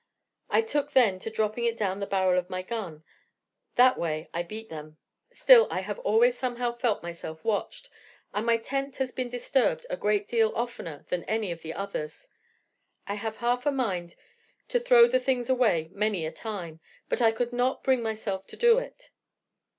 I took then to dropping it down the barrel of my gun; that way I beat them. Still, I have always somehow felt myself watched, and my tent has been disturbed a great deal oftener than any of the others. I have had half a mind to throw the things away many a time, but I could not bring myself to do it."